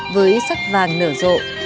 với sắc vàng nở rộ